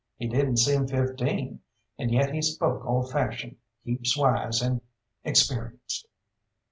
He didn't seem fifteen, and yet he spoke old fashioned, heaps wise and experienced.